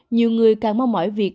nhiều người càng mong mỏi việc